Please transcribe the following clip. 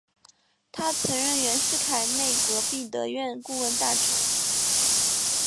他曾任袁世凯内阁弼德院顾问大臣。